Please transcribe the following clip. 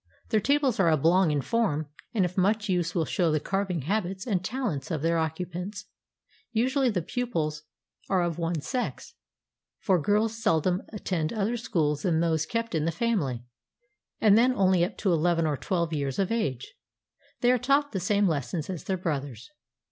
Their tables are oblong in form and if much used will show the carving habits and talents of their occupants. Usually the pupils are aU of one sex^, for girls seldom attend other schools than those kept in the family, and then only up to eleven or twelve years of age. They are taught the same lessons as their brothers.